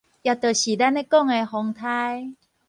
也就是咱咧講的風颱